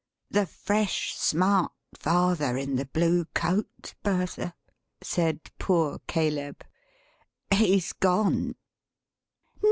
"The fresh smart father in the blue coat, Bertha," said poor Caleb. "He's gone!"